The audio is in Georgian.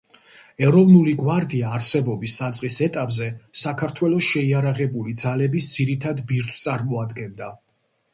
ეროვნული გვარდია არსებობის საწყის ეტაპზე საქართველოს შეიარაღებული ძალების ძირითად ბირთვს წარმოადგენდა.